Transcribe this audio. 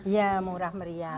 ya murah meriah